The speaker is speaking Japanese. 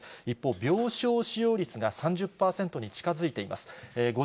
一方、病床使用率が３０％に近づいています。